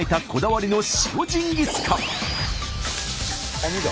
網だ。